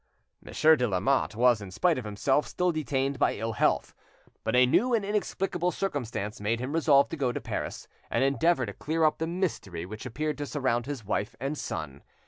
Monsieur de Lamotte was, in spite of himself, still detained by ill health. But a new and inexplicable circumstance made him resolve to go to Paris and endeavour to clear up the mystery which appeared to surround his wife and son.